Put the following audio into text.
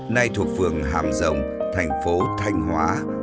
nay thuộc phường hàm rồng thành phố thanh hóa